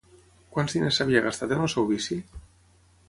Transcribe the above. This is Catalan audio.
Quants diners s'havia gastat en el seu vici?